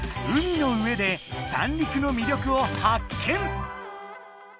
海の上で三陸の魅力を発見！